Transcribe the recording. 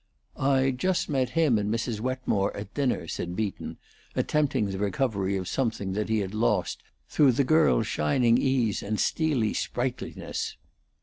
"I just met him and Mrs. Wetmore at dinner," said Beaton, attempting the recovery of something that he had lost through the girl's shining ease and steely sprightliness.